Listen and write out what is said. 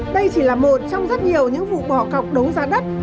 đây chỉ là một trong rất nhiều những vụ bỏ cọc đấu giá đất